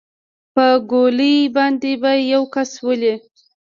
په ګولۍ باندې به يو کس ولې.